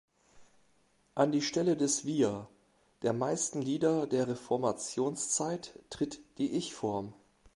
An die Stelle des "Wir" der meisten Lieder der Reformationszeit tritt die "Ich"-Form.